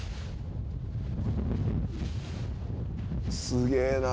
「すげえな」